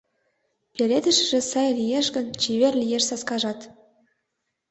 Пеледышыже сай лиеш гын, чевер лиеш саскажат.